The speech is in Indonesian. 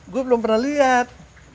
gue belum pernah liat